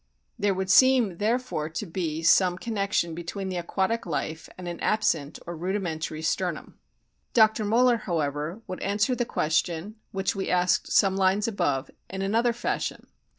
There would seem therefore to be some connection between the aquatic life and an absent or rudimentary sternum. 48 A BOOK OF WHALES Dr. Mtiller, however,^ would answer the question, which we asked some few lines above, in another fashion.